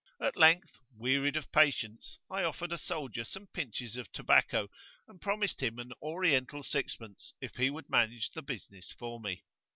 At length, wearied of patience, I offered a soldier some pinches of tobacco, and promised him an Oriental sixpence if he would manage the business for me.